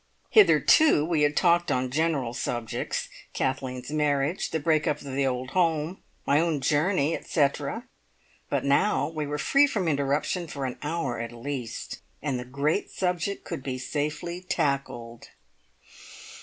Hitherto we had talked on general subjects, Kathleen's marriage, the break up of the old home, my own journey, etcetera, but now we were free from interruption for an hour at least, and the great subject could be safely tackled.